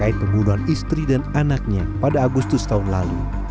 ketika dia mengajukan perubahan istri dan anaknya pada agustus tahun lalu